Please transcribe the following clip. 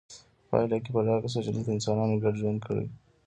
په پایله کې په ډاګه شوه چې دلته انسانانو ګډ ژوند کړی